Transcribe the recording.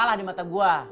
salah di mata gue